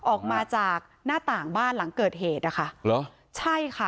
ออกมาจากหน้าต่างบ้านหลังเกิดเหตุนะคะเหรอใช่ค่ะ